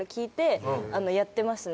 やってますね。